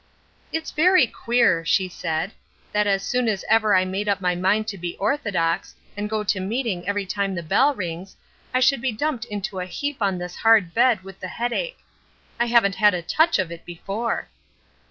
"It is very queer," she said, "that as soon as ever I make up my mind to be orthodox, and go to meeting every time the bell rings, I should be dumped into a heap on this hard bed with the headache. I haven't had a touch of it before."